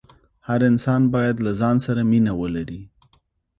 هر انسان باید له ځان سره مینه ولري.